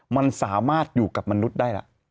มันสามารถอยู่กับมนุษย์ได้ล่ะ